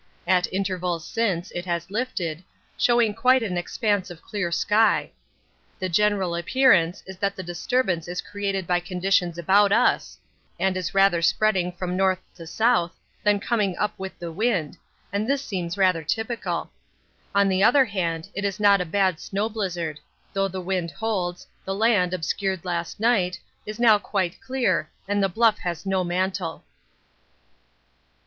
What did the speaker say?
At intervals since, it has lifted, showing quite an expanse of clear sky. The general appearance is that the disturbance is created by conditions about us, and is rather spreading from north to south than coming up with the wind, and this seems rather typical. On the other hand, this is not a bad snow blizzard; although the wind holds, the land, obscured last night, is now quite clear and the Bluff has no mantle.